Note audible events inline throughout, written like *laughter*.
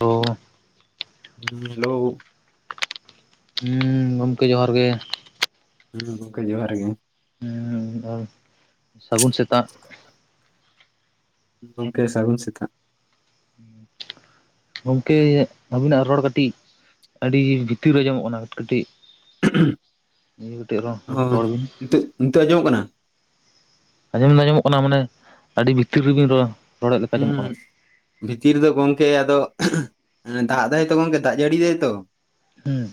ᱳ hello ᱦᱩᱸ ᱜᱚᱝᱠᱮ ᱡᱚᱦᱟᱨ ᱜᱮ ᱦᱩᱸ ᱜᱚᱝᱠᱮ ᱡᱚᱦᱟᱨ ᱜᱮ ᱟᱨ ᱥᱟᱹᱜᱩᱱ ᱥᱮᱛᱟᱜ ᱜᱚᱝᱠᱮ ᱥᱟᱹᱜᱩᱱ ᱥᱮᱛᱟᱜ, *inaudible* ᱜᱚᱝᱠᱮ ᱟᱵᱤᱱᱟᱜ ᱨᱚᱲ ᱠᱟᱹᱴᱤᱡ ᱟᱹᱰᱤ ᱵᱷᱤᱛᱤᱨ ᱟᱸᱡᱚᱢᱚᱜ ᱠᱟᱱᱟ ᱠᱟᱹᱴᱤᱡ ᱤᱭᱟᱹ ᱠᱟᱛᱮᱫ ᱚᱻ ᱨᱚᱲ ᱵᱤᱱ ᱱᱤᱛᱳ ᱱᱤᱛᱳᱜ ᱟᱸᱡᱚᱢᱚᱜ ᱠᱟᱱᱟ? ᱟᱸᱡᱚᱢᱚ ᱫᱚ ᱟᱸᱡᱚᱢᱚᱜ ᱠᱟᱱᱟ ᱢᱟᱱᱮ ᱟᱹᱰᱤ ᱵᱷᱤᱛᱤᱨ ᱨᱮ ᱵᱤᱱ ᱨᱚ ᱦᱩᱸ ᱵᱷᱤᱛᱤᱨ ᱨᱮᱫᱚ ᱜᱚᱢᱠᱮ ᱟᱫᱚ ᱫᱟᱜ ᱫᱟᱭ ᱛᱚ ᱜᱚᱢᱠᱮ ᱫᱟᱜ ᱡᱟᱹᱲᱤᱭ ᱫᱟᱭ ᱛᱚ ᱦᱩᱸ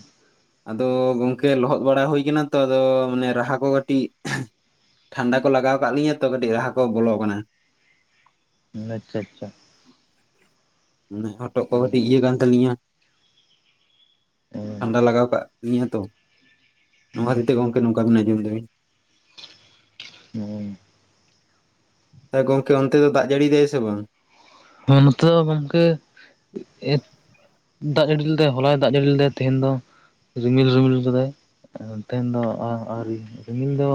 ᱟᱫᱚ ᱜᱚᱝᱠᱮ ᱞᱚᱦᱚᱫ ᱵᱟᱲᱟ ᱦᱩᱭ ᱠᱟᱱᱟ ᱛᱚ ᱟᱫᱚ ᱢᱟᱱᱮ ᱨᱟᱦᱟ ᱠᱚ ᱠᱟᱹᱴᱤᱡ ᱴᱷᱟᱱᱰᱟ ᱠᱚ ᱞᱟᱜᱟᱣ ᱠᱟᱫ ᱞᱤᱧᱟᱹ ᱛᱚ ᱠᱟᱹᱴᱤᱡ ᱨᱟᱦᱟ ᱠᱚ ᱵᱚᱞᱚ ᱟᱠᱟᱱᱟ ᱾ ᱟᱪᱪᱷᱟ ᱟᱪᱪᱷᱟ, ᱦᱚᱴᱚᱜ ᱠᱚ ᱠᱟᱹᱴᱤᱡ ᱤᱭᱟᱹ ᱠᱟᱱ ᱛᱟᱹᱞᱤᱧᱟ ᱴᱷᱟᱱᱰᱟ ᱞᱟᱜᱟᱣ ᱞᱤᱧᱟᱹ ᱛᱚ ᱚᱱᱟ ᱠᱷᱟᱛᱤᱨ ᱛᱮ ᱜᱚᱝᱠᱮ ᱱᱚᱝᱠᱟ ᱵᱤᱱ ᱟᱸᱡᱚᱢ ᱫᱟᱵᱤᱱ ᱦᱩᱸ ᱛᱟᱭ ᱜᱚᱝᱠᱮ ᱚᱱᱛᱮ ᱫᱚ ᱫᱟᱜ ᱡᱟᱹᱲᱤᱭᱤᱫᱟᱭ ᱥᱮ ᱵᱟᱝ? ᱦᱚ ᱱᱚᱛᱮ ᱜᱚᱢᱠᱮ ᱮ ᱫᱟᱜ ᱡᱟᱹᱲᱤ ᱞᱮᱫᱟᱭ ᱦᱚᱞᱟᱭ ᱫᱟᱜ ᱡᱟᱹᱲᱤ ᱞᱮᱫᱟᱭ ᱛᱮᱦᱮᱧ ᱫᱚ ᱨᱤᱢᱤᱞ ᱨᱤᱢᱤᱞ ᱠᱟᱫᱟᱭ ᱮ ᱛᱮᱦᱮᱧ ᱫᱚ ᱟᱣ ᱟᱣᱨᱤ ᱨᱤᱢᱤᱞ ᱫᱚ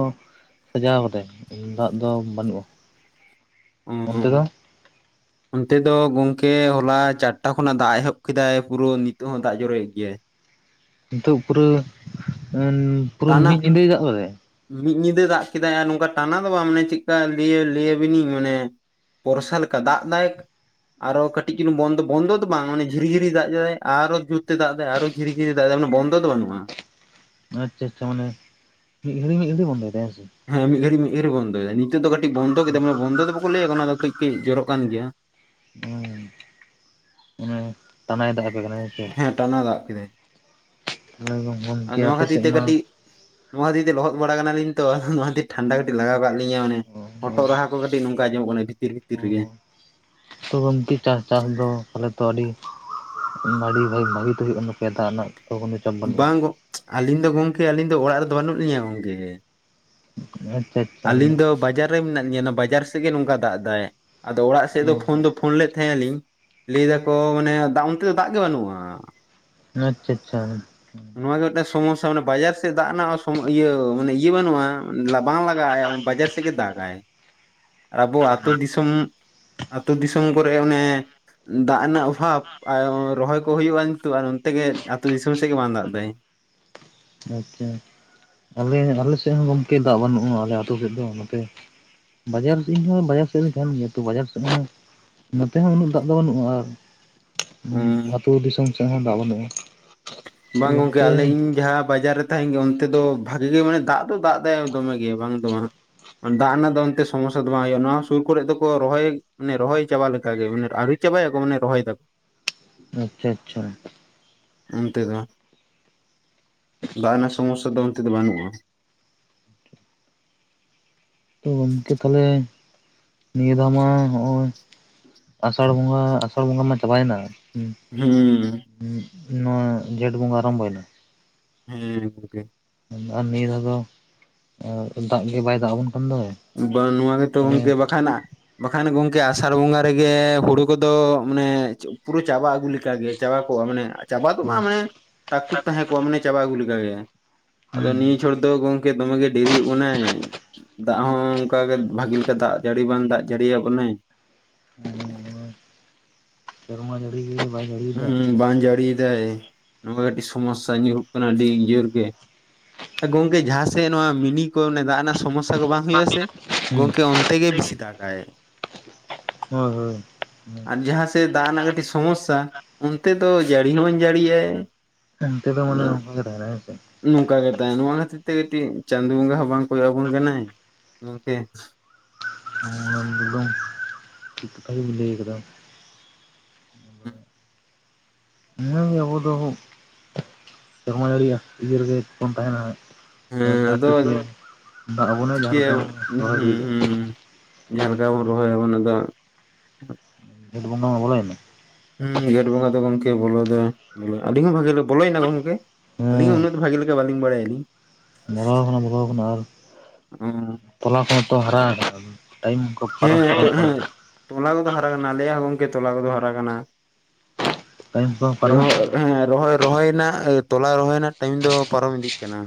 ᱥᱟᱡᱟᱣ ᱟᱠᱟᱫᱟᱭ ᱫᱟᱜ ᱫᱚ ᱵᱟᱹᱱᱩᱜᱼᱟ᱾ ᱚᱱᱛᱮ ᱫᱚ ᱩᱸ᱾ ᱚᱱᱛᱮ ᱫᱚ ᱜᱚᱢᱠᱮ ᱦᱚᱞᱟ ᱪᱟᱴᱴᱟ ᱠᱷᱚᱱᱟᱜ ᱫᱟᱜ-ᱮ ᱮᱦᱚᱵ ᱠᱮᱫᱟᱭ ᱯᱩᱨᱟᱹ ᱱᱤᱛᱳᱜ ᱦᱚᱸ ᱫᱟᱜ ᱡᱚᱨᱚᱭᱮᱫ ᱜᱮᱭᱟᱭ᱾ ᱱᱤᱛᱚᱜ ᱯᱩᱨᱟᱹ ᱟᱸᱱ ᱯᱩᱨᱟᱹ ᱛᱟᱱᱟᱜ ᱢᱤᱫ ᱧᱤᱫᱟᱹᱭ ᱫᱟᱜ ᱠᱟᱫᱟᱭ? ᱢᱤᱫ ᱧᱤᱫᱟᱹ ᱫᱟᱜ ᱠᱮᱫᱟᱭ ᱟᱨ ᱱᱚᱝᱠᱟ ᱴᱟᱱᱟ ᱫᱚ ᱵᱟᱝ ᱢᱟᱱᱮ ᱪᱮᱫᱠᱟ ᱞᱟᱹᱭᱟ ᱞᱟᱹᱭᱟᱹᱵᱤᱱᱟ. ᱧ ᱢᱟᱱᱮ ᱯᱚᱨᱥᱟ ᱞᱮᱠᱟ ᱫᱟᱜ ᱫᱟᱭ᱾ ᱟᱨᱚ ᱠᱟᱹᱴᱤᱡ ᱪᱩᱞᱩ ᱵᱚᱱᱫᱚ ᱵᱚᱱᱫᱚ ᱫᱚ ᱵᱟᱝ ᱢᱟᱱᱮ ᱡᱷᱤᱨᱤ-ᱡᱷᱤᱨᱤ ᱫᱟᱜ ᱮᱟᱭ ᱟᱨᱚ ᱡᱩᱨᱛᱮ ᱫᱟᱜ ᱮᱫᱟᱭ ᱟᱨᱚᱭ ᱡᱷᱤᱨᱤ-ᱡᱷᱤᱨᱤ ᱫᱟᱜ ᱫᱟᱭ ᱢᱟᱱᱮ ᱵᱚᱱᱫᱚ ᱫᱚ ᱵᱟᱹᱱᱩᱜᱼᱟ᱾ ᱟᱪᱪᱷᱟ ᱟᱪᱪᱷᱟ ᱢᱟᱱᱮ ᱢᱤᱫ ᱜᱷᱟᱹᱲᱤᱡ ᱢᱤᱫ ᱜᱷᱟᱹᱲᱤᱡ ᱵᱚᱱᱫᱚᱭ ᱮᱫᱟᱭ ᱦᱮᱸ ᱥᱮ᱾ ᱦᱮᱸ ᱢᱤᱫᱜᱷᱲᱤᱜ ᱢᱤᱫᱜᱷᱲᱤᱜ ᱵᱚᱱᱫᱚᱭ ᱫᱟᱭ᱾ ᱱᱤᱛᱚᱜ ᱫᱚ ᱠᱟᱹᱴᱤᱡ ᱵᱚᱱᱫᱚ ᱠᱮᱫᱟᱭ ᱢᱟᱱᱮ ᱵᱚᱱᱫᱚ ᱫᱚ ᱵᱟᱠᱚ ᱞᱟᱹᱭᱟ ᱠᱚ ᱚᱱᱟ ᱫᱚ ᱠᱟᱹᱡ ᱠᱟᱹᱡ ᱡᱚᱨᱚᱜ ᱠᱟᱱ ᱜᱮᱭᱟ᱾ ᱩᱸ ᱴᱟᱱᱟᱭ ᱫᱟᱜ ᱟᱯᱮ ᱠᱟᱱᱟᱭ᱾ ᱦᱮᱸ ᱴᱟᱱᱟ ᱫᱟᱜ ᱠᱮᱫᱟᱭ᱾ ᱟᱨ ᱜᱚᱢᱠᱮ ᱱᱚᱣᱟ ᱟᱯᱮ ᱠᱷᱟᱹᱛᱤᱨ ᱥᱮᱫ ᱛᱮ ᱢᱟ ᱠᱟᱹᱴᱤᱡ ᱱᱚᱣᱟ ᱫᱤᱭᱮ ᱛᱮ ᱞᱚᱦᱚᱫ ᱵᱟᱲᱟ ᱠᱟᱱᱟᱞᱤᱧ ᱛᱚ ᱱᱚᱣᱟ ᱠᱷᱟᱹᱛᱤᱨ ᱴᱷᱟᱱᱰᱟ ᱠᱟᱹᱴᱤᱡ ᱞᱟᱜᱟᱣ ᱠᱟᱜ ᱞᱤᱧᱟᱹ ᱢᱟᱱᱮ᱾ ᱦᱚᱴᱚᱜ ᱨᱟᱦᱟ ᱠᱚ ᱠᱟᱴᱤᱡ ᱱᱚᱝᱠᱟ ᱟᱸᱡᱚᱢᱚᱜ ᱠᱟᱱᱟ ᱵᱷᱤᱛᱤᱨ ᱵᱷᱤᱛᱤᱨ ᱨᱮᱜᱮ᱾ ᱛᱚ ᱜᱚᱢᱠᱮ ᱪᱟᱥ ᱪᱟᱥ ᱫᱚ ᱛᱟᱦᱚᱞᱮ ᱛᱚ ᱟᱹᱰᱤ ᱵᱷᱟᱲᱤ ᱵᱷᱟᱜ ᱵᱷᱟᱜᱤ ᱛᱮ ᱦᱩᱭᱩᱜ ᱠᱟᱱᱟ ᱛᱟᱯᱮᱭᱟ ᱫᱟᱜ ᱱᱟᱜ ᱛᱚ‌ ᱠᱚ ᱱᱤᱛ ᱵᱟᱝ ᱜᱚᱜ ᱟᱹᱞᱤᱧ ᱫᱚ ᱜᱚᱢᱠᱮ ᱟᱹᱞᱤᱧ ᱫᱚ ᱚᱲᱟᱜ ᱨᱮᱫᱚ ᱵᱟᱹᱱᱩᱜ ᱞᱤᱧᱟᱹ ᱜᱚᱝᱠᱮ᱾ ᱟᱪᱪᱷᱟ ᱟᱪᱪᱷᱟ᱾ ᱚ ᱟᱹᱞᱤᱧ ᱫᱚ ᱵᱟᱡᱟᱨ ᱨᱮ ᱢᱮᱱᱟᱜ ᱞᱤᱧᱟᱹ ᱚᱱᱟ ᱵᱟᱡᱟᱨ ᱥᱮᱫ ᱜᱮ ᱱᱚᱝᱠᱟ ᱫᱟᱜ ᱮᱟᱭ ᱟᱫᱚ ᱚᱲᱟᱜ ᱥᱮᱫ ᱫᱚ ᱯᱷᱳᱱ ᱫᱚ ᱯᱷᱳᱱ ᱞᱮᱫ ᱛᱟᱦᱮᱸ ᱟᱞᱤᱧ᱾ ᱞᱟᱹᱭ ᱫᱟᱠᱚ ᱢᱟᱱᱮ ᱫᱟᱜ ᱚᱱᱛᱮ ᱫᱚ ᱫᱟᱜ ᱜᱮ ᱵᱟᱹᱱᱩᱜᱼᱟ᱾ ᱟᱪᱪᱷᱟ ᱟᱪᱪᱷᱟ᱾ ᱱᱚᱣᱟᱣᱟᱜ ᱜᱮ ᱢᱤᱫᱴᱮᱱ ᱥᱚᱢᱚᱥᱥᱟ ᱢᱟᱱᱮ ᱵᱟᱡᱟᱨ ᱥᱮᱫ ᱫᱟᱜ ᱱᱟᱜ ᱥᱚᱢ ᱤᱭᱟᱹ ᱢᱟᱱᱮ ᱤᱭᱟᱹ ᱵᱟᱹᱱᱩᱜᱼᱟ ᱩᱱᱤ ᱞᱟ ᱵᱟᱝ ᱞᱟᱜᱟᱜᱼᱟᱭᱟ ᱵᱟᱡᱟᱨ ᱥᱮᱫ ᱜᱮ ᱫᱟᱜᱟᱭ ᱟᱨ ᱟᱵᱚ ᱟᱹᱛᱳ ᱫᱤᱥᱚᱢ ᱟᱹᱛᱳ ᱫᱤᱥᱚᱢ ᱠᱚᱨᱮ ᱚᱱᱮ ᱫᱟᱜ ᱨᱮᱱᱟᱜ ᱚᱵᱷᱟᱵ᱾ ᱟᱭ ᱚᱸ ᱨᱚᱦᱚᱭ ᱠᱚ ᱦᱩᱭᱩᱜᱼᱟ ᱱᱤᱛᱚᱜ ᱟᱨ ᱱᱚᱱᱛᱮ ᱜᱮ ᱟ ᱟᱹᱛᱩᱳ ᱫᱤᱥᱚᱢ ᱥᱮᱫ ᱜᱮ ᱵᱟᱝ ᱫᱟᱜ ᱮᱟᱭ᱾ ᱟᱪᱪᱷᱟ᱾ ᱟᱞᱮ ᱟᱞᱮ ᱥᱮᱫ ᱦᱚᱸ ᱜᱚᱝᱠᱮ ᱫᱟᱜ ᱵᱟᱹᱱᱩᱜᱼᱟ ᱟᱞᱮ ᱟᱹᱛᱩ ᱥᱮᱫ ᱫᱚ ᱱᱚᱛᱮ᱾ ᱵᱟᱡᱟᱨ ᱥᱮ ᱤᱧ ᱦᱚᱸ ᱵᱟᱡᱟᱨ ᱥᱮᱫ ᱨᱤᱧ ᱛᱟᱦᱮᱱ ᱜᱮᱭᱟ ᱛᱚ ᱵᱟᱡᱟᱨ ᱥᱮᱫ ᱢᱟᱱᱮ ᱱᱛᱮ ᱦᱚᱸ ᱩᱱᱟᱹᱜ ᱫᱟᱜ ᱫᱚ ᱵᱟᱹᱱᱩᱜᱼᱟ ᱟᱨ ᱩᱸ ᱦᱩᱸ ᱟᱹᱛᱩ ᱫᱤᱥᱚᱢ ᱥᱮᱫ ᱦᱚᱸ ᱫᱟᱜ ᱵᱟᱹᱱᱩᱜᱼᱟ᱾ ᱵᱟᱝ ᱜᱚᱝᱠᱮ ᱟᱞᱮ ᱤᱧ ᱡᱟᱦᱟᱸ ᱵᱟᱡᱟᱨ ᱨᱮ ᱛᱟᱦᱮᱱ ᱜᱮᱭᱟ ᱚᱱᱛᱮ ᱫᱚ ᱵᱷᱟᱜᱤ ᱜᱮ ᱢᱟᱱᱮ ᱫᱟᱜ ᱫᱚ ᱫᱟᱜ ᱮ ᱫᱚᱢᱮ ᱜᱮ ᱵᱟᱝ ᱫᱚ ᱵᱟᱝ᱾ ᱚᱱ ᱫᱟᱜ ᱨᱮᱱᱟᱜ ᱫᱚ ᱚᱱᱛᱮᱜ ᱥᱚᱢᱚᱥᱥᱟ ᱫᱚ ᱵᱟᱝ ᱦᱩᱭᱩᱜᱼᱟ ᱱᱚᱣᱟ ᱥᱩᱨ ᱠᱚᱨᱮ ᱫᱚᱠᱚ ᱨᱚᱦᱚᱭ ᱢᱟᱱᱮ ᱨᱚᱦᱚᱭ ᱪᱟᱵᱟ ᱞᱮᱠᱟᱜ ᱜᱮ ᱢᱟᱱᱮ ᱟᱣᱨᱤ ᱪᱟᱵᱟᱭᱟᱠᱚ ᱢᱟᱱᱮ ᱨᱚᱦᱟᱭ ᱫᱟᱠᱚ᱾ ᱟᱪᱪᱷᱟ ᱟᱪᱪᱷᱟ᱾ ᱚᱱᱛᱮ ᱫᱚ ᱫᱟᱜ ᱨᱮᱱᱟᱜ ᱥᱚᱢᱚᱥᱥᱟ ᱫᱚ ᱚᱱᱛᱮ ᱫᱚ ᱵᱟᱹᱱᱩᱜᱼᱟ᱾ ᱛᱚ ᱜᱚᱝᱠᱮ ᱛᱟᱦᱚᱞᱮ ᱱᱤᱭᱟᱹ ᱫᱷᱟᱣ ᱢᱟ ᱦᱚᱸᱜ-ᱚᱭ ᱟᱥᱟᱲ ᱵᱚᱸᱜᱟ ᱟᱥᱟᱲ ᱵᱚᱸᱜᱟ ᱢᱟ ᱪᱟᱵᱟᱭᱮᱱᱟ᱾ ᱦᱩᱸ᱾ ᱦᱩᱸ᱾ ᱩᱸᱜ ᱱᱚᱣᱟ ᱡᱷᱮᱸᱴ ᱵᱚᱸᱜᱟ ᱟᱨᱟᱢᱵᱷᱚᱭᱱᱟ᱾ *unintelligible* ᱟᱨ ᱱᱤᱭᱟᱹ ᱫᱷᱟᱣ ᱫᱚ ᱮ ᱫᱟᱜ ᱜᱮ ᱵᱟᱭ ᱫᱟᱜ ᱟᱵᱚᱱ ᱠᱟᱱ ᱫᱚ᱾ ᱵᱟᱝ ᱱᱚᱣᱟ ᱜᱮᱛᱚ ᱜᱚᱢᱠᱮ ᱵᱟᱠᱷᱟᱱ ᱱᱟᱦᱜ ᱵᱟᱠᱷᱟᱱ ᱜᱚᱝᱠᱮ ᱟᱥᱟᱲ ᱵᱚᱸᱜᱟ ᱨᱮᱜᱮ ᱦᱩᱲᱩ ᱠᱚᱫᱚ ᱢᱟᱱᱮ ᱯᱩᱨᱟᱹ ᱪᱟᱵᱟ ᱟᱹᱜᱩ ᱞᱮᱠ ᱞᱮᱠᱟᱜᱮ ᱪᱟᱵᱟ ᱠᱚᱜᱼᱟ ᱢᱟᱱᱮ ᱪᱟᱵᱟ ᱫᱚ ᱵᱟᱝ ᱦᱩᱸ ᱢᱟᱱᱮ ᱴᱟᱠᱴᱩᱠ ᱛᱟᱦᱮᱸ ᱠᱚᱜᱼᱟ ᱢᱟᱱᱮ ᱪᱟᱵᱟ ᱟᱹᱜᱩ ᱞᱮᱠᱟᱜᱮ᱾ ᱟᱫᱚ ᱦᱩᱸ ᱱᱤᱭᱟᱹ ᱪᱷᱚᱲ ᱫᱚ ᱜᱚᱢᱠᱮ ᱫᱚᱢᱮ ᱜᱮ ᱰᱮᱨᱤᱚᱜ ᱵᱟᱱᱟᱚᱭ᱾ ᱫᱟᱜ ᱦᱚᱸ ᱚᱱᱠᱟ ᱜᱮ ᱵᱷᱟᱜᱤ ᱞᱮᱠᱟ ᱫᱟᱜ ᱡᱟᱹᱲᱤ ᱵᱟᱝ ᱫᱟᱜ ᱡᱟᱹᱲᱤ‌ᱭᱟᱜ ᱵᱚᱱᱟᱭ᱾ ᱦᱩ ᱥᱮᱨᱢᱟ ᱡᱟᱹᱲᱤ ᱵᱟᱸᱭ ᱡᱟᱹᱲᱤᱭᱮᱫ ᱦᱩᱸ ᱵᱟᱝ ᱡᱟᱹᱲᱤᱭᱫᱟᱭ ᱱᱚᱝᱠᱟ ᱠᱟᱹᱴᱤᱡ ᱥᱚᱢᱚᱥᱥᱟ ᱧᱩᱨᱦᱩᱜ ᱠᱟᱱᱟ ᱟᱹᱰᱤ ᱡᱳᱨ ᱜᱮ᱾ ᱜᱚᱝᱠᱮ ᱡᱟᱦᱟᱸ ᱥᱮᱫ ᱱᱚᱣᱟ ᱢᱤᱱᱤ ᱠᱚ ᱚᱱᱮ ᱫᱟᱜ ᱨᱮᱱᱟᱜ ᱥᱚᱢᱚᱥᱥᱟ ᱠᱚ ᱵᱟᱝ ᱦᱩᱭᱩᱜ ᱟᱥ ᱥᱮ ᱦᱩᱸ ᱜᱚᱝᱠᱮ ᱚᱱᱛᱮ ᱵᱮᱥᱤ ᱫᱟᱜᱟᱭ᱾ ᱦᱳᱭ ᱦᱳᱭ᱾ ᱟᱨ ᱡᱟᱦᱟᱸ ᱥᱮᱮᱞᱫ ᱫᱟᱜ ᱨᱮᱱᱟᱜ ᱠᱟᱹᱴᱤᱡ ᱥᱚᱢᱚᱥᱥᱟ ᱚᱱᱛᱮ ᱫᱚ ᱡᱟᱹᱲᱤ ᱦᱚᱸ ᱵᱟᱹᱧ ᱡᱟᱹᱲᱟᱭ ᱱᱚᱛᱮ ᱫᱚ ᱢᱟᱱᱮ ᱟᱫᱚ ᱚᱱᱠᱟ ᱜᱮ ᱛᱟᱦᱮᱱᱟ ᱦᱮᱸᱥᱮ ᱱᱚᱝᱠᱟ ᱜᱮ *unintelligible* ᱛᱮ ᱠᱟᱹᱴᱤᱡ ᱪᱟᱸᱫᱳ ᱵᱚᱸᱜᱟ ᱦᱚᱸ ᱵᱟᱝ ᱠᱚᱭᱚᱜ ᱟᱵᱚᱱ ᱠᱟᱱᱟᱭ ᱜᱚᱝᱠᱮ᱾ ᱚᱱᱟ *unintelligible* ᱴᱷᱤᱠ ᱠᱟᱛᱷᱟ ᱜᱮᱧ ᱞᱟᱹᱭ ᱟᱠᱟᱫᱟ᱾ ᱦᱮᱸ᱾ ᱱᱤᱭᱟᱹᱜᱮ ᱟᱵᱚ ᱫᱚ ᱥᱮᱨᱢᱟ ᱡᱟᱹᱲᱤᱭᱟ ᱤᱭᱟᱹ ᱨᱮᱜᱮ ᱵᱚᱱ ᱛᱟᱦᱮᱱᱟ ᱦᱟᱸᱜ᱾ ᱛᱚ ᱦᱮᱸ ᱟᱫᱚ *unintelligible* ᱫᱟᱜ ᱵᱚᱱᱟᱭ ᱡᱟᱦᱟᱸ ᱪᱤᱠᱟᱹᱭᱟ ᱞᱮᱠᱟ ᱨᱚᱦᱚᱭ ᱤᱲᱤ ᱠᱟᱜ ᱡᱟᱸᱦᱟ ᱞᱮᱠᱟ ᱵᱚᱱ ᱨᱚᱦᱚᱭᱟ ᱚᱱᱟ ᱫᱚ ᱡᱷᱮᱸᱴ ᱵᱚᱸᱜᱟ ᱢᱟ ᱵᱚᱞᱚᱭᱮᱱᱟ᱾ ᱦᱮᱸ ᱡᱷᱮᱸᱴ ᱵᱚᱸᱜᱟ ᱫᱚ ᱜᱚᱝᱠᱮ ᱵᱚᱞᱚ ᱫᱚ ᱟᱹᱰᱤᱧ ᱦᱚᱸ ᱵᱷᱟᱜᱮ ᱵᱚᱞᱚᱭᱮᱱᱟ ᱜᱚᱝᱠᱮ? ᱟᱹᱞᱤᱧ ᱦᱚᱸ ᱩᱱᱟᱜᱫᱚ ᱵᱟᱹᱞᱤᱧ ᱵᱷᱟᱜᱮ ᱞᱮᱠᱟ ᱵᱟᱲᱟᱭ ᱟᱹᱞᱤᱧ᱾ ᱵᱚᱞᱚ ᱟᱠᱟᱱᱟ ᱠᱟᱱᱟ ᱵᱚᱞᱚ ᱟᱠᱟᱱᱟ ᱟᱨ ᱚ ᱛᱚᱞᱟ ᱠᱚᱦᱚᱸ ᱛᱚ ᱦᱟᱨᱟᱣ ᱠᱟᱱᱟ᱾ ᱴᱟᱭᱤᱢ ᱠᱚ ᱯᱟᱨᱚᱢ ᱦᱮᱸ ᱛᱚ ᱯᱟᱨᱚᱢᱚᱜ ᱠᱟᱱᱟ ᱦᱮᱸ ᱛᱚᱞᱟ ᱠᱚᱫᱚ ᱦᱟᱨᱟ ᱠᱟᱱᱟ ᱟᱞᱮᱭᱟᱜ ᱦᱚᱸ ᱜᱚᱝᱠᱮ ᱛᱚᱞᱟ ᱠᱚᱫᱚ ᱦᱟᱨᱟ ᱠᱟᱱᱟ᱾ ᱴᱟᱭᱤᱢ ᱠᱚᱦᱚᱸ ᱯᱟᱨᱚᱢᱚᱜ ᱠᱟᱱᱟ ᱦᱮᱸ ᱨᱚᱦᱚᱭ ᱨᱚᱦᱚᱭ ᱨᱮᱱᱟᱜ ᱛᱚᱞᱟ ᱨᱚᱦᱚᱭ ᱨᱮᱱᱟᱜ ᱴᱟᱭᱤᱢ ᱫᱚ ᱯᱟᱨᱚᱢ ᱤᱫᱤᱜ ᱠᱟᱱᱟ᱾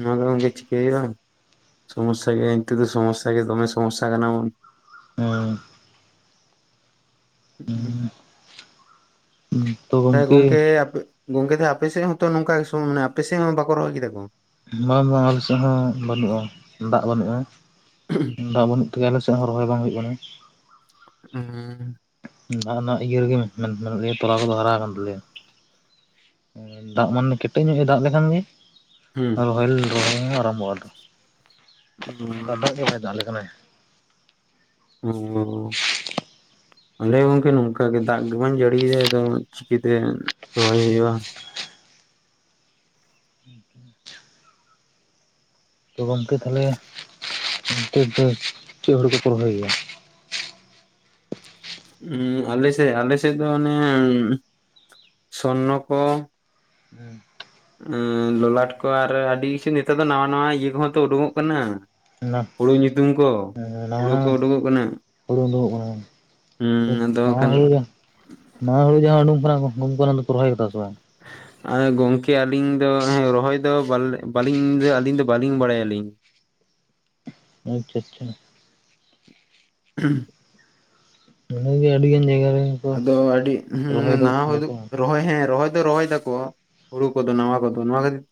ᱱᱚᱣᱟ ᱫᱚ ᱜᱚᱝᱠᱮ ᱪᱤᱠᱟᱹᱭ ᱦᱚᱭᱩᱜ-ᱟ, ᱥᱚᱢᱚᱥᱥᱟ ᱜᱮ ᱱᱤᱛᱚᱜ ᱫᱚ ᱥᱚᱢᱚᱥᱥᱟ ᱜᱮ ᱫᱚᱢᱮ ᱥᱚᱢᱚᱥᱥᱟ ᱠᱟᱱᱟ ᱵᱚᱱ᱾ ᱦᱮᱸ᱾ ᱛᱚ *inaudible* ᱜᱚᱢᱠᱮ ᱜᱚᱝᱠᱮ ᱟᱯᱮ ᱜᱚᱝᱠᱮ ᱛᱟᱦᱮ ᱟᱯᱮᱥᱮᱫ ᱦᱚᱸ ᱛᱚ ᱱᱚᱝᱠᱟ *unintelligible* ᱟᱯᱮ ᱥᱮᱫ ᱦᱚᱸ ᱵᱟᱠᱚ ᱨᱚᱦᱚᱭ ᱠᱮᱫᱟ ᱠᱚ? ᱵᱟᱝ ᱵᱟᱝ ᱟᱞᱮ ᱥᱮᱫ ᱦᱚᱸ ᱵᱟᱹᱱᱩᱜᱼᱟ, ᱫᱟᱜ ᱵᱟᱹᱱᱩᱜᱼᱟ, ᱫᱟᱜ ᱵᱟᱹᱱᱩᱜ ᱛᱮᱜᱮ ᱟᱞᱮ ᱥᱮᱫ ᱦᱚᱸ ᱨᱚᱦᱚᱭ ᱵᱟᱝ ᱦᱩᱭᱩᱜ ᱠᱟᱱᱟ᱾ ᱦᱩᱸ᱾ ᱫᱟᱜ ᱚᱱᱟ ᱤᱭᱟᱹ ᱨᱮᱜᱮ ᱢᱮᱱ-ᱢᱮᱱ ᱤᱭᱟ ᱛᱚᱞᱟ ᱠᱚᱫᱚ ᱦᱟᱨᱟᱣ ᱠᱟᱱ ᱛᱟᱞᱮᱭᱟ᱾ ᱫᱟᱜ ᱢᱟᱱᱮ ᱠᱮᱴᱮᱡ ᱧᱚᱜ ᱮ ᱫᱟᱜ ᱞᱮᱠᱷᱟᱱ ᱜᱮ ᱦᱩᱸ ᱨᱚᱦᱚᱭ ᱨᱚᱦᱚᱭ ᱞᱮ ᱟᱨᱟᱢᱵᱷᱚᱜᱼᱟᱞᱮ, ᱚᱱᱠᱟ ᱫᱟᱜ ᱜᱮ ᱵᱟᱭ ᱫᱟᱜ ᱟᱞᱮ ᱠᱟᱱᱟᱭ᱾ ᱚ᱾ ᱟᱞᱮ ᱦᱚᱸ ᱜᱚᱝᱠᱮ ᱱᱚᱝᱠᱟ ᱜᱮ ᱫᱟᱜ ᱜᱮ ᱵᱟᱝ ᱡᱟᱹᱲᱤᱭᱫᱟᱭ, ᱟᱫᱚ ᱪᱤᱠᱤᱛᱮ ᱨᱚᱦᱚᱭ ᱦᱩᱭᱩᱜᱼᱟ? *inaudible* ᱛᱚ ᱜᱚᱝᱠᱮ ᱛᱟᱦᱚᱞᱮ ᱚᱱᱛᱮ ᱫᱚ ᱪᱮᱫ ᱦᱚᱲᱩ ᱠᱚᱯᱮ ᱨᱚᱦᱚᱭ ᱜᱮᱭᱟ? ᱦᱩᱸ ᱟᱞᱮᱥᱮᱫ, ᱟᱞᱮᱥᱮᱫ ᱫᱚ ᱚᱱᱮ ᱥᱚᱨᱱᱚ ᱠᱚ, ᱦᱮᱸ᱾ ᱮᱸ ᱞᱚᱞᱟᱴ ᱠᱚ ᱟᱨ ᱟᱹᱰᱤ ᱠᱤᱪᱷᱩ ᱱᱮᱛᱟᱨ ᱫᱚ ᱱᱟᱣᱟ ᱱᱟᱣᱟ ᱤᱭᱟᱹ ᱠᱚᱦᱚᱸ ᱛᱚ ᱩᱰᱩᱝᱚᱜ ᱠᱟᱱᱟ᱾ ᱚᱱᱟ ᱦᱩᱲᱩ ᱧᱩᱛᱩᱢ ᱠᱚ, ᱦᱩᱲᱩ ᱠᱚ ᱱᱟᱣᱟ ᱩᱰᱩᱠᱚᱜ ᱠᱟᱱᱟ᱾ ᱦᱩᱲᱩ ᱩᱰᱩᱠᱚᱜ ᱠᱟᱱᱟ ᱦᱩᱸ ᱟᱫᱚ ᱱᱟᱣᱟ ᱠᱷᱟᱱ ᱦᱩᱲᱩ ᱜᱮ ᱱᱟᱣᱟ ᱦᱩᱲᱩ ᱡᱟᱦᱟᱸ ᱩᱰᱩᱠ ᱠᱟᱱᱟ ᱩᱰᱩᱠ ᱠᱟᱱᱟ ᱫᱚ ᱨᱚᱦᱚᱭ ᱠᱟᱫᱟ ᱥᱮ ᱵᱟᱝ? ᱜᱚᱝᱠᱮ ᱟᱹᱞᱤᱧ ᱫᱚ ᱦᱮᱸ ᱨᱚᱦᱚᱭ ᱫᱚ ᱵᱟᱹᱞᱤᱧ ᱟᱹᱞᱤᱧ ᱫᱚ ᱵᱟᱹᱞᱤᱧ ᱵᱟᱲᱟᱭᱟᱞᱤᱧ᱾ ᱟᱪᱪᱷᱟ ᱟᱪᱪᱷᱟ᱾ *inaudible* *inaudible* ᱟᱹᱰᱤᱜᱟᱱ ᱡᱟᱭᱜᱟ ᱨᱮ ᱾ ᱟᱫᱚ ᱟᱹᱰᱤ ᱦᱩᱸ ᱱᱟᱣᱟ *unintelligible* ᱨᱚᱦᱚᱭ ᱦᱮᱸ ᱨᱚᱦᱚᱭ ᱫᱚ ᱨᱚᱦᱚᱭ ᱫᱟ ᱠᱚ ᱦᱩᱲᱩ ᱠᱚᱫᱚ ᱱᱟᱣᱟ ᱠᱚᱫᱚ ᱱᱚᱣᱟ ᱠᱷᱟᱹᱛᱤᱨ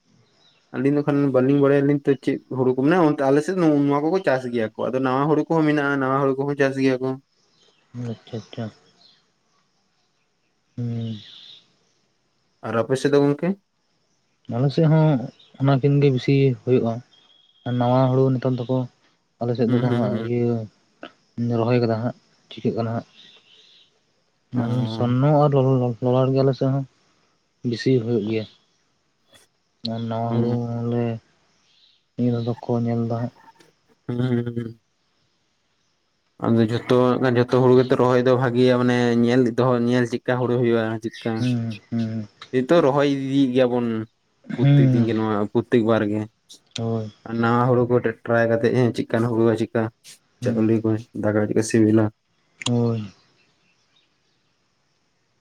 ᱟᱹᱞᱤᱧ ᱫᱚᱠᱷᱟᱱ ᱵᱟᱹᱞᱤᱧ ᱵᱟᱲᱟᱭᱟᱞᱤᱧ ᱛᱚ ᱪᱮᱫ ᱦᱩᱲᱩ ᱠᱚ ᱢᱮᱱᱟᱜᱼᱟ? ᱚᱱᱛᱮ ᱟᱞᱮᱥᱮᱫ ᱱᱚᱣᱟ ᱠᱚᱠᱚ ᱪᱟᱥ ᱜᱮᱭᱟ ᱠᱚ ᱟᱫᱚ ᱱᱟᱣᱟ ᱦᱩᱲᱩ ᱠᱚᱦᱚᱸ ᱢᱮᱱᱟᱜᱼᱟ ᱱᱟᱣᱟ ᱦᱩᱲᱩ ᱠᱚᱦᱚᱸ ᱪᱟᱥ ᱜᱮᱭᱟ ᱠᱚ ᱾ ᱟᱪᱪᱷᱟ ᱟᱪᱪᱷᱟ ᱾ ᱦᱩᱸ ᱾ ᱟᱨ ᱟᱯᱮ ᱥᱮᱫ ᱫᱚ ᱜᱚᱝᱠᱮ? ᱟᱞᱮ ᱥᱮᱫ ᱦᱚᱸ ᱚᱱᱟᱠᱤᱱ ᱜᱮ ᱵᱤᱥᱤ ᱦᱳᱭᱳᱜᱼᱟ, ᱟᱨ ᱱᱟᱣᱟ ᱦᱳᱲᱳ ᱱᱮᱛᱟᱨ ᱫᱚᱠᱚ ᱟᱞᱮ ᱥᱮᱫ ᱦᱩᱸ ᱫᱚᱠᱚ ᱦᱩᱸ ᱦᱟᱸᱜ ᱦᱩᱸ ᱤᱭᱟᱹ ᱨᱚᱦᱚᱭ ᱠᱟᱫᱟ ᱦᱟᱸᱜ ᱪᱤᱠᱟᱹᱜ ᱠᱟᱱᱟ ᱦᱟᱸᱜ? ᱚ *unintelligible* ᱥᱚᱨᱱᱚ ᱟᱨ ᱞᱚᱞᱚ ᱞᱚᱞᱟᱴ ᱜᱮ ᱟᱞᱮ ᱥᱮ ᱦᱚᱸ ᱵᱤᱥᱤ ᱦᱩᱭᱩᱜ ᱜᱮᱭᱟ ᱾ *inaudible* ᱟᱨ ᱱᱟᱣᱟ ᱦᱩᱸ ᱦᱩᱲᱩ ᱦᱚᱸᱞᱮ ᱱᱤᱭᱟᱹ ᱫᱷᱟ ᱫᱚ ᱠᱚ ᱧᱮᱞ ᱫᱟ ᱦᱟᱸᱜ ᱾ ᱦᱩᱸ ᱾ ᱟᱫᱚ ᱡᱷᱚᱛᱚ ᱦᱟᱜ ᱠᱷᱟᱱ ᱡᱚᱛᱚ ᱦᱳᱲᱳ ᱜᱮᱛᱚ ᱨᱚᱦᱚᱭ ᱫᱚ ᱵᱷᱟᱜᱤᱭᱟ ᱢᱟᱱᱮ ᱧᱮᱞ ᱫᱚᱦᱚ ᱧᱮᱞ ᱪᱮᱫᱠᱟ ᱦᱳᱲᱳ ᱦᱳᱭᱳᱜᱼᱟ? ᱪᱤᱠᱠᱟ ᱦᱩᱸ ᱦᱩᱸ ᱱᱤᱛᱚᱜ ᱨᱚᱦᱚᱭ ᱤᱫᱤᱭᱮᱫ ᱜᱮᱭᱟ ᱵᱚᱱ ᱯᱨᱚᱛᱮᱠ ᱫᱤᱱ ᱦᱩᱸ ᱜᱮ ᱱᱚᱣᱟ ᱯᱨᱚᱛᱮᱠ ᱵᱟᱨ ᱜᱮ ᱾ ᱦᱳᱭ ᱾ ᱟ ᱱᱟᱶᱟ ᱦᱩᱲᱩ ᱠᱚ ᱴᱟ-ᱴᱨᱟᱭ ᱠᱟᱛᱮᱜ ᱦᱮᱸ ᱪᱮᱜᱠᱟᱱ ᱦᱩᱲᱩᱼᱟ ᱪᱮᱜᱠᱟ ᱦᱩᱸ ᱪᱟᱣᱞᱮ ᱠᱚ ᱫᱟᱠᱟ ᱠᱚ ᱪᱮᱜᱠᱟ ᱥᱤᱵᱤᱞᱟ? ᱦᱳᱭ ᱾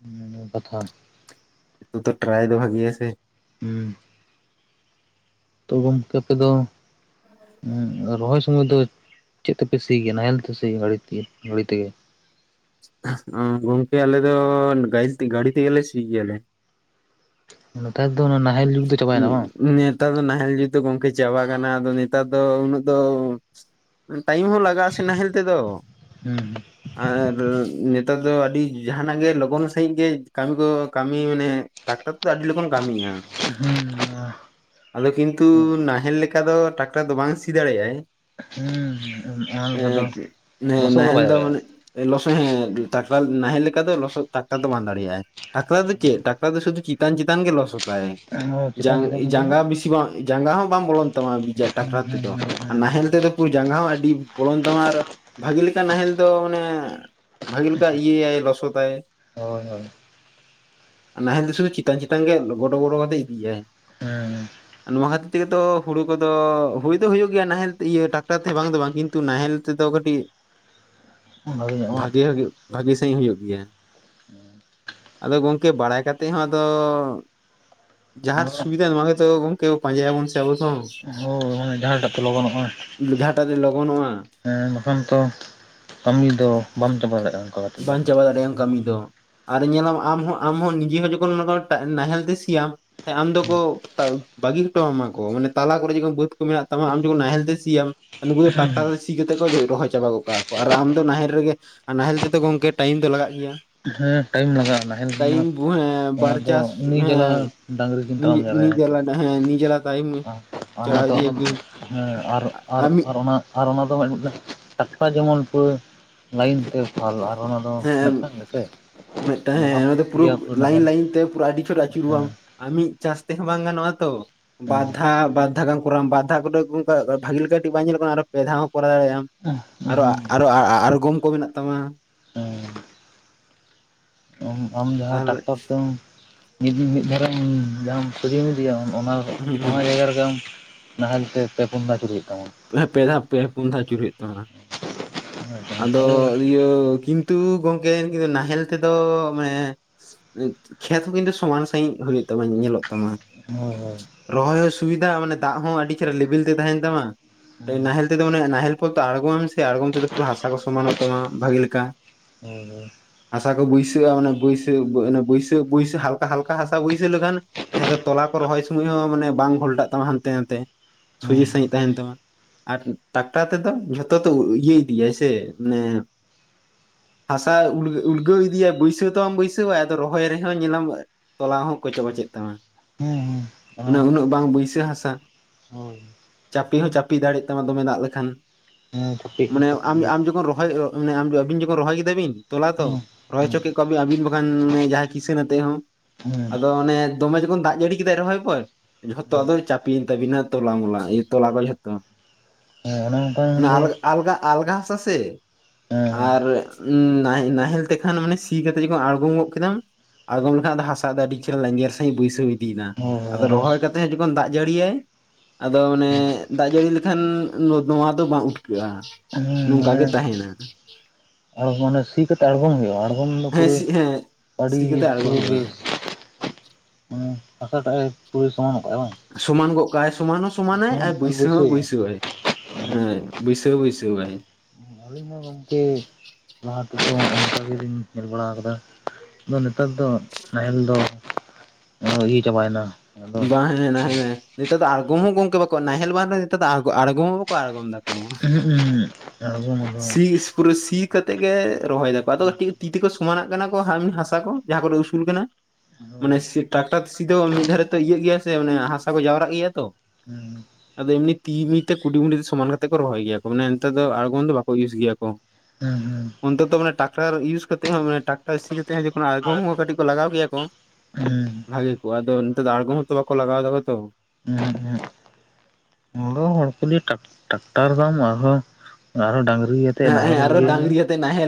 *inaudible* ᱠᱟᱛᱷᱟ ᱾ ᱛᱩ ᱛᱚ ᱴᱨᱟᱭ ᱫᱚ ᱵᱷᱟᱜᱤ ᱭᱟᱥᱮ ᱾ ᱦᱩᱸ ᱾ ᱛᱚ ᱜᱚᱝᱠᱮ ᱟᱯᱮ ᱫᱚ ᱩᱸᱜ ᱨᱚᱦᱚᱭ ᱥᱚᱢᱚᱭ ᱫᱚ ᱪᱮᱫ ᱛᱮᱯᱮ ᱥᱤ ᱜᱮᱭᱟ ᱱᱟᱦᱮᱞ ᱛᱮᱥᱮ ᱤᱭᱟᱹ ᱜᱟᱹᱲᱤ ᱜᱟᱹᱲᱤ ᱛᱮᱜᱮ? ᱜᱚᱝᱠᱮ ᱟᱞᱮ ᱫᱚ ᱜᱟᱹᱤᱡ ᱜᱟᱹᱲᱤ ᱛᱮ ᱜᱮᱞᱮ ᱥᱤ ᱜᱮᱭᱟᱞᱮ ᱾ ᱱᱮᱛᱟᱨ ᱫᱚ ᱚᱱᱟ ᱱᱟᱦᱮᱞ ᱡᱩᱜᱽ ᱫᱚ ᱪᱟᱵᱟᱭᱮᱱᱟ ᱵᱟᱝ? ᱱᱮᱛᱟᱨ ᱫᱚ ᱱᱟᱦᱮᱞ ᱡᱩᱜ ᱫᱚ ᱜᱚᱝᱠᱮ ᱪᱟᱵᱟ ᱠᱟᱱᱟ ᱟᱫᱚ ᱱᱮᱛᱟᱨ ᱫᱚ ᱩᱱᱟᱹᱜ ᱫᱚ ᱴᱟᱭᱤᱢ ᱦᱚᱸ ᱞᱟ ᱜᱟᱜᱼᱟ ᱥᱮ ᱱᱟᱦᱮᱞ ᱛᱮ ᱫᱚ ᱦᱩᱸ ᱾ ᱟᱨ ᱱᱮᱛᱟᱨ ᱫᱚ ᱟᱹᱰᱤ ᱡᱟᱦᱟᱱᱟᱜ ᱜᱮ ᱞᱚᱜᱚᱱ ᱥᱟᱺᱦᱤᱡ ᱜᱮ ᱠᱟᱹᱢᱤ ᱠᱚ ᱠᱟᱹᱢᱤ ᱢᱟᱱᱮ ᱴᱟᱠᱴᱟᱨ ᱛᱮᱫᱚ ᱟᱹᱰᱤ ᱞᱚᱜᱚᱱ ᱠᱟᱢᱤᱭᱟ ᱾ ᱦᱩᱸ ᱟᱫᱚ ᱠᱤᱱᱛᱩ ᱦᱩᱸ ᱱᱟᱦᱮᱞ ᱞᱮᱠᱟ ᱫᱚ ᱴᱟᱠᱴᱟᱨ ᱫᱚ ᱵᱟᱝ ᱥᱤ ᱫᱟᱲᱮᱭᱟᱭ ᱦᱩᱸ ᱚᱱᱟ ᱾ ᱞᱮᱠᱟ ᱫᱚ ᱮᱸᱫ ᱞᱚᱥᱚᱫ ᱱᱟᱦᱮᱞ ᱵᱟᱭ ᱫᱚ ᱢᱟᱱᱮ ᱞᱚᱥᱚᱫ ᱦᱮᱸ ᱴᱟᱠᱴᱟᱨ ᱱᱟᱦᱮᱞ ᱞᱮᱠᱟ ᱫᱚ ᱞᱚᱥᱚᱫ ᱴᱟᱠᱴᱟᱨ ᱫᱚ ᱵᱟᱝ ᱫᱟᱲᱮᱭᱟᱜᱼᱟᱭ ᱾ ᱴᱟᱠᱴᱟᱨ ᱫᱚ ᱪᱮᱫ ᱴᱟᱠᱴᱟᱨ ᱫᱚ ᱥᱩᱫᱩ ᱪᱮᱛᱟᱱ ᱪᱮᱛᱟᱱ ᱜᱮ ᱞᱚᱥᱚᱛᱟᱭ ᱾ ᱫᱟᱲᱮᱭᱟᱜᱼᱟ ᱡᱟᱝ ᱪᱮᱛᱟᱱ ᱪᱮᱛᱟᱱ ᱡᱟᱸᱜᱟ ᱜᱮ ᱵᱮᱥᱤ ᱵᱟᱝ ᱡᱟᱝᱜᱟ ᱦᱚᱸ ᱵᱟᱝ ᱵᱚᱞᱚᱱ ᱛᱟᱢᱟ ᱵᱤᱡᱟ ᱦᱩᱸ ᱴᱟᱠᱴᱟᱨ ᱦᱩᱸ ᱛᱮᱫᱚ, ᱟᱨ ᱦᱩᱸ ᱱᱟᱦᱮᱞ ᱛᱮᱫᱚ ᱠᱩ ᱡᱟᱸᱜᱟ ᱦᱚᱸ ᱟᱹᱰᱤ ᱵᱚᱞᱚᱱ ᱛᱟᱢᱟ ᱟᱨ ᱵᱷᱟᱹᱜᱤ ᱞᱮᱠᱟ ᱱᱟᱦᱮᱞ ᱫᱚ ᱢᱟᱱᱮ ᱵᱷᱟᱜᱤ ᱞᱮᱠᱟ ᱤᱭᱟᱹᱭᱟᱭ ᱞᱚᱥᱚᱫᱟᱭ ᱾ ᱦᱳᱭ ᱦᱳᱭ ᱟ ᱱᱟᱦᱮᱞ ᱫᱚ ᱥᱩᱫᱩ ᱪᱮᱛᱟᱱ ᱪᱮᱛᱟᱱ ᱜᱮ ᱜᱚᱰᱚ-ᱵᱚᱰᱚ ᱠᱟᱛᱮ ᱤᱫᱤᱭᱟᱭ ᱾ ᱦᱮᱸᱻ ᱱᱚᱣᱟ ᱠᱷᱟᱹᱛᱤᱨ ᱛᱮᱜᱮᱛᱚ ᱦᱩᱲᱩ ᱠᱚᱫᱚ ᱦᱩᱭ ᱫᱚ ᱦᱩᱭᱩᱜ ᱜᱮᱭᱟ ᱱᱟᱦᱮᱞ ᱤᱭᱟᱹ ᱴᱟᱠᱴᱟᱨ ᱛᱮ ᱵᱟᱝ ᱫᱚ ᱵᱟᱝ, ᱠᱤᱱ ᱛᱩ ᱱᱟᱦᱮᱞ ᱛᱮᱫᱚ ᱠᱟᱹᱴᱤᱡ ᱧᱚᱜ ᱵᱟᱝ ᱵᱷᱟᱜᱮ ᱵᱷᱟᱜᱮ ᱵᱷᱟᱹᱜᱤ ᱥᱟᱹᱦᱤᱡ ᱦᱩᱭᱩᱜ ᱜᱮᱭᱟ, ᱟᱫᱚ ᱜᱚᱝᱠᱮ ᱵᱟᱲᱟᱭ ᱠᱟᱛᱮ ᱦᱚᱸ ᱟᱫᱚ ᱡᱟᱦᱟᱸᱨ ᱥᱩᱵᱤᱫᱷᱟ ᱱᱚᱣᱟ ᱜᱮᱛᱚ ᱜᱚᱝᱠᱮ ᱯᱟᱸᱡᱟᱭ ᱟᱵᱚᱱ ᱥᱮ ᱟᱵᱚ ᱫᱚ ᱦᱳᱭ ᱢᱟᱱᱮ ᱡᱟᱦᱟᱸᱴᱟᱜ ᱛᱚ ᱞᱚᱜᱚᱱᱚᱜᱼᱟ ᱾ ᱡᱟᱦᱟᱸ ᱴᱟᱜ ᱛᱮ ᱞᱚᱜᱚᱱᱚᱜᱼᱟ ᱾ ᱦᱮᱸ ᱵᱟᱠᱷᱟᱱ ᱛᱚ ᱠᱟᱹᱢᱤ ᱫᱚ ᱵᱟᱢ ᱪᱟᱵᱟ ᱫᱟᱲᱮᱭᱟᱜᱼᱟ ᱠᱟᱱᱟ᱾ ᱵᱟᱝ ᱪᱟᱵᱟ ᱫᱟᱲᱮᱭᱟᱜ ᱟᱢ ᱠᱟᱹᱢᱤ ᱫᱚ ᱾ ᱟᱨ ᱧᱮᱞᱟᱢ ᱟᱢᱦᱚᱸ ᱟᱢᱦᱚᱸ ᱱᱤᱡᱮ ᱦᱚᱸ ᱡᱚᱠᱷᱚᱱ *unintelligible* ᱱᱟᱦᱮᱞ ᱛᱮ ᱥᱤᱭ ᱟᱢ ᱾ ᱟᱢ ᱫᱚᱠᱚ ᱵᱟᱹᱜᱤ ᱦᱚᱴᱚᱣᱟᱢᱟ ᱠᱚ, ᱢᱟᱱᱮ ᱛᱟᱞᱟ ᱠᱚᱨᱮ ᱡᱚᱠᱷᱚᱱ ᱵᱟᱹᱫ ᱠᱚ ᱢᱮᱱᱟᱜ ᱛᱟᱢᱟ ᱟᱢ ᱡᱚᱠᱷᱚᱱ ᱱᱟᱦᱮᱞ ᱛᱮ ᱥᱤᱭᱟᱢ ᱱᱩᱠᱩ ᱫᱚ ᱴᱟᱠᱴᱟᱨᱛᱮ ᱥᱤ ᱠᱟᱛᱮ ᱠᱚ ᱨᱚᱦᱚᱭ ᱪᱟᱵᱟ ᱜᱚᱫ ᱠᱟᱜᱼᱟ ᱠᱚ ᱟᱨ ᱟᱢ ᱫᱚ ᱱᱟᱦᱮᱞ ᱨᱮᱜᱮ ᱟᱨ ᱱᱟᱦᱮᱞ ᱜᱚᱢᱠᱮ ᱴᱟᱭᱤᱢ ᱫᱚ ᱞᱟᱜᱟᱜ ᱜᱮᱭᱟ᱾ ᱦᱮᱸ ᱴᱟᱭᱤᱢ ᱞᱟᱜᱟᱜᱼᱟ ᱱᱟᱦᱮᱞ ᱢᱟ ᱴᱟᱭᱤᱢ ᱚᱱᱟ ᱵᱟᱨ ᱫᱚ ᱪᱟᱥ ᱩᱱᱤ ᱡᱟᱞᱟ ᱦᱮᱸ ᱰᱟᱝᱨᱤ ᱱᱤᱡ ᱱᱤᱡ ᱡᱟᱞᱟ ᱦᱮᱸ ᱱᱤᱡ ᱡᱟᱞᱟ ᱴᱟᱭᱤᱢ ᱪᱟᱞᱟᱣ ᱤᱫᱤᱭᱟᱠᱤᱱ *unintelligible* ᱟᱨ ᱟᱨ ᱚᱱᱟ ᱟᱨ ᱚᱱᱟ ᱫᱚ ᱢᱤᱫᱴᱮ ᱴᱟᱠᱴᱟᱨ ᱡᱮᱢᱚᱱ ᱯᱩᱨᱟᱹ ᱞᱟᱹᱭᱤᱱ ᱛᱮ *unintelligible* ᱟᱨ ᱚᱱᱟ ᱫᱚ ᱦᱮᱸ ᱢᱤᱫᱴᱟᱝ ᱜᱮ᱾ ᱢᱤᱫᱴᱟᱝ ᱦᱮᱸ ᱚᱱᱟ ᱫᱚ ᱯᱩᱨᱟᱹ ᱞᱟᱭᱤᱱ ᱱᱟᱦᱮᱞ ᱞᱟᱭᱤᱱ ᱛᱮ ᱯᱩᱨᱟᱹ ᱟᱹᱰᱤ ᱪᱷᱚᱴ ᱦᱮᱸ ᱟᱹᱪᱩᱨᱚᱜ-ᱟ᱾ ᱟᱨ ᱢᱤᱫ ᱪᱟᱥ ᱛᱮᱦᱚᱸ ᱵᱟᱝ ᱜᱟᱱᱚᱜᱼᱟ ᱛᱚ, ᱦᱮᱸ ᱵᱟᱫᱷᱟ ᱵᱟ ᱟᱫᱷᱟ ᱜᱟᱢ ᱠᱚᱨᱣᱟ ᱵᱟᱫᱷᱟ ᱠᱚ ᱛᱚ *unintelligible* ᱵᱷᱟᱜᱤᱮ ᱠᱟᱹᱴᱤᱡ ᱵᱟᱝ ᱧᱮᱞᱚᱜ ᱠᱟᱱᱟ ᱟᱨᱚ ᱯᱮ ᱫᱷᱟᱣ ᱦᱚᱸ ᱠᱚᱨᱟᱣ ᱫᱟᱲᱮᱭᱟᱜ-ᱟᱢ, ᱦᱮᱸ ᱦᱮᱸ ᱟᱨᱚ *unintelligible* ᱟᱬᱜᱚᱢ ᱠᱚ ᱢᱮᱱᱟᱜ ᱛᱟᱢᱟ ᱾ ᱦᱩᱸ᱾ ᱟᱢ ᱟᱢ ᱡᱟᱦᱟᱸ ᱛᱟᱦᱚᱞᱮ ᱴᱟᱠᱴᱚᱨ ᱛᱮᱢ ᱫᱤᱱ ᱢᱤᱫ ᱫᱷᱟᱨᱮᱢ ᱡᱟᱦᱟᱸᱟᱢ ᱠᱤᱨᱤᱧ ᱤᱫᱤᱭᱟ ᱚᱱᱟ ᱦᱩᱸ ᱚᱱᱟ ᱦᱩᱸ ᱡᱟᱭᱜᱟ ᱨᱮᱜᱮ ᱟᱢ ᱱᱟᱦᱮᱞ ᱛᱮ ᱯᱮ ᱯᱩᱱ ᱫᱷᱟᱣ ᱟᱪᱩᱨᱜ ᱦᱩᱭᱩᱜ ᱛᱟᱢᱟ ᱾ ᱮ ᱯᱮ ᱫᱷᱟᱣ ᱯᱮ ᱯᱩᱱ ᱫᱷᱟᱣ ᱟᱪᱩᱨ ᱦᱩᱭᱩᱜ ᱛᱟᱢᱟ᱾ ᱟᱫᱚ ᱚᱱᱠᱟ ᱜᱮ ᱤᱭᱟᱹ ᱠᱤᱱᱛᱩ ᱜᱚᱢᱠᱮ ᱱᱟᱦᱮᱞ ᱛᱮᱫᱚ ᱢᱟᱱᱮ ᱠᱷᱮᱛ ᱦᱚᱸ ᱠᱤᱱᱛᱩ ᱥᱚᱢᱟᱱ ᱥᱟᱹᱦᱤᱡ ᱦᱩᱭᱩᱜ ᱛᱟᱢᱟ ᱧᱮᱞᱚᱜ ᱛᱟᱢᱟ ᱾ ᱦᱳᱭ ᱦᱳᱭ᱾ ᱨᱚᱦᱚᱭ ᱦᱚᱸ ᱥᱩᱵᱤᱫᱷᱟ ᱢᱟᱱᱮ ᱫᱟᱜ ᱦᱚᱸ ᱟᱹᱰᱤ ᱪᱮᱨᱦᱟ ᱞᱮᱵᱮᱞ ᱛᱮ ᱛᱟᱦᱮᱱ ᱛᱟᱢᱟ, ᱱᱟᱦᱮᱞ ᱛᱮᱫᱚ ᱢᱟᱱᱮ ᱱᱟᱦᱮᱞ *unintelligible* ᱟᱬᱜᱚᱢ ᱟᱢ ᱥᱮ ᱟᱬᱜᱚᱢ ᱛᱮᱫᱚ ᱯᱩᱨᱟᱹ ᱦᱟᱥᱟ ᱠᱚ ᱥᱚᱢᱟᱱᱚᱜ ᱛᱟᱢᱟ ᱵᱷᱟᱜᱤ ᱞᱮᱠᱟ᱾ ᱦᱳᱭ ᱦᱳᱭ ᱦᱟᱥᱟ ᱠᱚ ᱵᱟᱹᱭᱥᱟᱹᱜ-ᱟ ᱢᱟᱱᱮ ᱵᱟᱹᱭᱥᱟᱹ ᱚᱱᱟ ᱵᱟᱹᱭᱥᱟᱹ ᱵᱟᱹᱭᱥᱟᱹ *unintelligible* ᱦᱟᱞᱠᱟ ᱦᱟᱥᱟ ᱵᱟᱹᱭᱥᱟᱹᱣ ᱞᱮᱠᱷᱟᱱ ᱡᱟᱦᱟᱸ ᱫᱚ ᱛᱚᱞᱟ ᱠᱚ ᱨᱚᱦᱚᱭ ᱥᱚᱢᱚᱭ ᱦᱚᱸ ᱢᱟᱱᱮ ᱵᱟᱝ ᱜᱷᱚᱞᱴᱟᱜ ᱛᱟᱢᱟ ᱦᱟᱱᱛᱮ ᱱᱟᱱᱛᱮ ᱾ ᱦᱳᱭ ᱦᱮᱸ ᱥᱚᱡᱮ ᱥᱟᱹᱦᱤᱡ ᱛᱟᱦᱮᱱ ᱛᱟᱢᱟ ᱟᱨ ᱴᱟᱠᱴᱟᱨ ᱛᱮᱫᱚ ᱡᱷᱚᱛᱚ ᱛᱚ ᱤᱭᱟᱹ *unintelligible* ᱥᱮ ᱢᱟᱱᱮ ᱦᱟᱥᱟ ᱩᱞ ᱩᱞᱰᱟᱹᱣ ᱤᱫᱤᱭᱤᱭᱟ ᱵᱟᱹᱭᱥᱟᱹᱣ ᱛᱟᱢ ᱵᱟᱹᱭᱥᱟᱹᱣᱟ ᱟᱫᱚ ᱨᱚᱦᱚᱭ ᱨᱮᱦᱚᱸ ᱧᱮᱞᱟᱢ ᱛᱚᱞᱟ ᱦᱚᱸ ᱠᱚᱪᱮ ᱠᱚᱪᱮ ᱛᱟᱢᱟ, ᱦᱮᱸ ᱚᱱᱟ ᱦᱮᱸ ᱦᱮᱸ ᱩᱱᱟᱹᱜ ᱵᱟᱝ ᱵᱟᱹᱭᱥᱟᱹᱣᱟ ᱦᱟᱥᱟ ᱦᱳᱭ ᱪᱟᱯᱮ ᱦᱚᱸ ᱪᱟᱯᱮ ᱫᱟᱲᱮᱜ ᱛᱟᱢᱟ ᱫᱚᱢᱮ ᱫᱟᱜ ᱞᱮᱠᱷᱟᱱ᱾ *unintelligible* ᱢᱟᱱᱮ ᱟᱢ ᱜᱮᱭᱟ ᱟᱢ ᱡᱚᱠᱷᱚᱱ ᱨᱚᱦᱚᱭ *unintelligible* ᱟᱵᱤᱱ ᱡᱚᱠᱷᱚᱱ ᱨᱚᱦᱚᱭ ᱠᱮᱫᱟ ᱵᱤᱱ ᱛᱚᱞᱟ ᱛᱚ ᱦᱮᱸ ᱨᱚᱦᱚᱭ ᱦᱚᱪᱚ ᱠᱮᱫ ᱠᱚᱣᱟ ᱵᱤᱱ ᱟᱹᱵᱤᱱ ᱵᱟᱠᱷᱟᱱ ᱚᱱᱮ ᱡᱟᱦᱟᱸᱭ ᱠᱤᱥᱟᱹᱱ ᱟᱛᱮᱫ ᱦᱚᱸ, ᱦᱮᱸ ᱟᱫᱚ ᱚᱱᱮ ᱫᱚᱢᱮ ᱡᱚᱠᱷᱚᱱ ᱫᱟᱜ ᱡᱟᱹᱲᱤ ᱠᱮᱫᱟᱭ ᱨᱚᱦᱚᱭ ᱯᱚᱨ ᱡᱷᱚᱛ ᱦᱮᱸ ᱟᱫᱚ ᱪᱟᱯᱤᱭᱮᱱ ᱛᱟᱵᱤᱱᱟ ᱛᱚᱞᱟ ᱢᱚᱞᱟ ᱤᱭᱟᱹ ᱛᱚᱞᱟ ᱠᱚ ᱡᱷᱚᱛᱚ᱾ ᱚᱱᱟ ᱟᱞᱜᱟ *unintelligible* ᱟᱞᱜᱟ ᱟᱞᱜᱟ ᱦᱟᱥᱟ ᱥᱮ᱾ ᱦᱮᱸ ᱟᱨ ᱱᱟᱦᱮᱞ ᱱᱟᱦᱮᱞ ᱛᱮᱠᱷᱟᱱ ᱢᱟᱱᱮ ᱥᱤ ᱠᱟᱛᱮᱫ ᱡᱚᱠᱷᱚᱱ ᱟᱬᱜᱚᱢ ᱜᱚᱜ ᱠᱮᱫᱟᱢ ᱟᱬᱜᱚᱢ ᱞᱮᱠᱷᱟᱱ ᱟᱫᱚ ᱦᱟᱥᱟ ᱫᱚ ᱟᱹᱰᱤ ᱪᱮᱦᱨᱟ ᱞᱮᱸᱡᱮᱨ ᱥᱟᱹᱦᱤᱡ ᱵᱟᱹᱭᱥᱟᱹᱣ ᱤᱫᱤᱭᱱᱟ ᱦᱳᱭ ᱾ ᱦᱳᱭ ᱟᱫᱚ ᱚᱱᱮ ᱨᱚᱦᱚᱭ ᱠᱟᱛᱮᱫ ᱦᱚᱸ ᱡᱚᱠᱷᱚᱱ ᱫᱟᱜ ᱡᱟᱹᱲᱤᱭᱟᱭ ᱟᱫᱚ ᱚᱱᱮ ᱫᱟᱜ ᱡᱟᱹᱲᱤ ᱞᱮᱠᱷᱟᱱ *unintelligible* ᱫᱚ ᱵᱟᱝ *unintelligible* ᱦᱮᱸ *unintelligible* ᱱᱚᱝᱠᱟ ᱢᱟᱱᱮ ᱜᱮ ᱛᱟᱦᱮᱱᱟ ᱾ ᱟᱨ ᱢᱟᱱᱮ ᱥᱤ ᱠᱟᱛᱮᱜ ᱟᱬᱜᱚᱢ ᱦᱩᱭᱩᱜᱼᱟ, ᱟᱬᱜᱚᱢ ᱫᱚ ᱦᱮᱸ ᱯᱩᱨᱟᱹ ᱥᱤ ᱦᱮᱸ *unintelligible* ᱢᱟᱱᱮ ᱥᱤ ᱠᱟᱛᱮ ᱟᱬᱜᱚ ᱦᱩᱭᱩᱜᱼᱟ ᱦᱟᱥᱟ ᱴᱟᱜ ᱮ ᱯᱩᱨᱟᱹ ᱥᱚᱢᱟᱱ ᱜᱚᱜ ᱠᱟᱜᱼᱟᱭ ᱵᱟᱝ ᱾ ᱥᱚᱢᱟᱱ ᱜᱚᱜ ᱠᱟᱜ-ᱟᱭ ᱥᱚᱢᱟᱱ ᱦᱚᱸ ᱥᱚᱢᱟᱱ ᱟᱭ ᱟᱨ ᱵᱟᱹᱭᱥᱟᱹᱣ ᱦᱚᱸ ᱵᱟᱹᱭᱥᱟᱹᱣ ᱟᱭ᱾ ᱦᱮᱸ ᱵᱟᱹᱭᱥᱟᱹᱣ ᱵᱟᱹᱭᱥᱟᱹᱣ ᱟᱭ᱾ ᱟᱹᱞᱤᱧ ᱦᱚᱸ ᱜᱚᱝᱠᱮ ᱞᱟᱦᱟ ᱛᱮᱫᱚ ᱚᱱᱠᱟ ᱜᱮᱞᱤᱧ ᱧᱮᱞ ᱵᱟᱲᱟ ᱠᱟᱫᱟ ᱾ ᱟᱫᱚ ᱱᱮᱛᱟᱨ ᱫᱚ ᱱᱟᱦᱮᱞ ᱫᱚ ᱟᱨᱦᱚᱸ ᱤᱭᱟᱹ ᱪᱟᱵᱟ ᱭᱮᱱᱟ᱾ ᱵᱟᱝ ᱦᱮᱸ ᱦᱮᱸ ᱱᱟ ᱦᱮᱸ ᱱᱮᱛᱟᱨ ᱫᱚ ᱟᱬᱜᱚᱢ ᱦᱚᱸ ᱜᱚᱢᱠᱮ ᱵᱟᱠᱚ ᱱᱟᱦᱮᱞ ᱵᱟᱝ ᱨᱮᱦᱚᱸ ᱱᱮᱛᱟᱨ ᱫᱚ ᱟᱬᱜᱚᱢ ᱦᱚᱸ ᱵᱟᱠᱚ ᱟᱲᱜᱚᱢ ᱫᱟ᱾ ᱩᱸᱦᱩᱜ ᱩᱸᱦᱩᱜ ᱟᱲᱜᱚᱢ ᱦᱚᱸ ᱵᱟᱝ᱾ ᱥᱤ ᱯᱩᱨᱟᱹ ᱥᱤ ᱠᱟᱛᱮᱜ ᱜᱮ ᱨᱚᱦᱚᱭ ᱫᱟᱠᱚ ᱟᱫᱚ ᱛᱤ ᱛᱤ ᱛᱮᱠᱚ ᱥᱚᱢᱟᱱᱟᱜ ᱠᱟᱱᱟ ᱠᱚ ᱦᱟᱥᱟ ᱠᱚ ᱡᱟᱦᱟᱸ ᱠᱚᱨᱮ ᱩᱥᱩᱞ ᱠᱟᱱᱟ ᱢᱟᱱᱮ ᱦᱳᱭ ᱥᱤ ᱴᱨᱟᱠᱴᱟᱨ ᱥᱤ ᱫᱚ ᱢᱤᱫ ᱫᱷᱟᱨᱮ ᱤᱭᱟᱹᱜ ᱜᱮᱭᱟ ᱥᱮ ᱢᱟᱱᱮ ᱦᱟᱥᱟ ᱠᱚ ᱡᱟᱣᱨᱟᱜ ᱜᱮᱭᱟ ᱛᱚ, ᱦᱩᱸ, ᱟᱫᱚ ᱮᱢᱱᱤ ᱛᱤ ᱢᱤ ᱛᱮ ᱠᱩᱰᱤ ᱢᱩᱰᱤ ᱛᱮ ᱥᱚᱢᱟᱱ ᱠᱟᱛᱮᱫ ᱠᱚ ᱨᱚᱦᱚᱭ ᱜᱮᱭᱟ ᱠᱚ ᱢᱟᱱᱮ ᱱᱮᱛᱟᱨ ᱫᱚ ᱟᱬᱜᱚᱢ ᱫᱚ ᱵᱟᱠᱚ ᱤᱭᱩᱥ ᱜᱮᱭᱟ ᱠᱚ᱾ ᱦᱮᱸ ᱦᱮᱸ᱾ ᱚᱱᱛᱮ ᱛᱚ ᱢᱟᱱᱮ ᱴᱟᱠᱴᱟᱨ ᱤᱭᱩᱥ ᱠᱟᱛᱮ ᱦᱚᱸ ᱢᱟᱱᱮ ᱴᱟᱠ ᱴᱟᱨ ᱥᱤ ᱠᱟᱛᱮ ᱦᱚᱸ ᱡᱚᱠᱷᱚᱱ ᱟᱬᱜᱚᱢ ᱦᱚᱸ ᱠᱟᱹᱴᱤᱡ ᱠᱚ ᱞᱟᱜᱟᱣ ᱠᱮᱭᱟ ᱠᱚ ᱦᱩᱸ ᱵᱷᱟᱜᱮ ᱠᱚᱼᱟ ᱚᱫᱚ ᱟᱲᱜᱚᱢ ᱦᱚᱸ ᱛᱚ ᱵᱟᱠᱚ ᱞᱟᱜᱟᱣ ᱫᱟᱠᱚ ᱛᱚ, ᱦᱩᱸ ᱦᱩᱸ ᱦᱚᱲ ᱠᱚ ᱞᱟᱹᱭᱟ ᱴᱟᱠᱴᱟᱨ ᱫᱟᱢ ᱟᱨᱦᱚᱸ ᱟᱨᱦᱚᱸ ᱰᱟᱹᱝᱨᱤ ᱦᱮᱸ ᱦᱮᱸ ᱟᱨᱚ ᱰᱟᱹᱝᱨᱤ ᱟᱛᱮ ᱱᱟᱦᱮᱞ